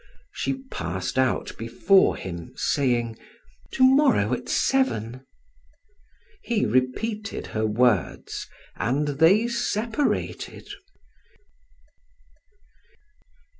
She passed out before him saying: "To morrow at seven"; he repeated her words and they separated.